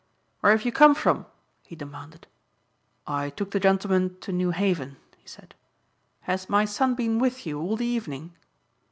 "Where have you come from?" he demanded. "I took the gentlemen to New Haven," he said. "Has my son been with you all the evening?"